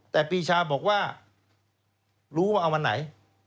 แต่ปีชาบอกว่ารู้ว่าเอาวันไหน